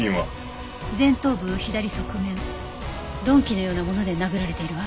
前頭部左側面鈍器のようなもので殴られているわ。